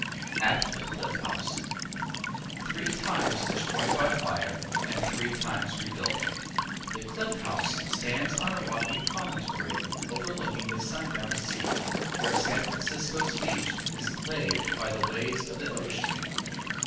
At the Cliff House Three times destroyed by fire, and three times rebuilt, the Cliff House stands on a rocky promontory overlooking the Sundown Sea, where San Francisco's beach is laved by the waves of the Ocean.